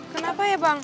kenapa ya bang